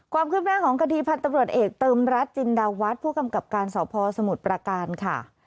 ความคืบหน้าของคดีพันธุ์ตำรวจเอกเติมรัฐจินดาวัฒน์ผู้กำกับการสพสมุทรประการค่ะ